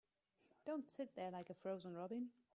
Don't sit there like a frozen robin.